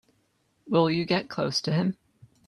Will you get close to him?